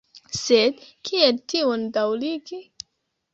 Sed kiel tion daŭrigi?